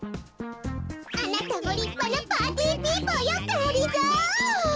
あなたもりっぱなパーティーピーポーよがりぞー。